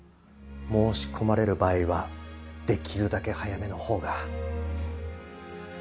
申し込まれる場合はできるだけ早めの方が。